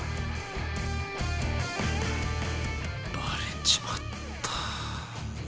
バレちまった。